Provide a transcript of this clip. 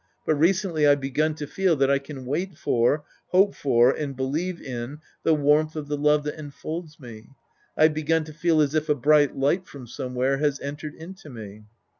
But recently I've begun to feel that I can wait for, hope for and believe in the warmth of the love that enfolds me. I've begun to feel as if a bright light from somewhere has entered into me.